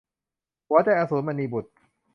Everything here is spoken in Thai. หัวใจอสูร - มณีบุษย์